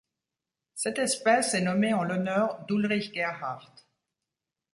Cette espèce est nommée en l'honneur d'Ulrich Gerhardt.